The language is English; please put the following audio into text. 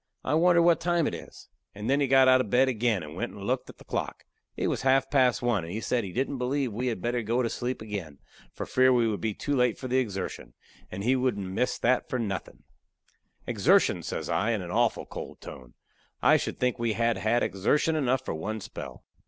I wonder what time it is!" And then he got out of bed again and went and looked at the clock. It was half past one, and he said he "didn't believe we had better go to sleep again, for fear we would be too late for the exertion, and he wouldn't miss that for nothin'." "Exertion!" says I, in a awful cold tone. "I should think we had had exertion enough for one spell."